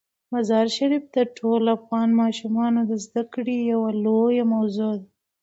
مزارشریف د ټولو افغان ماشومانو د زده کړې یوه لویه موضوع ده.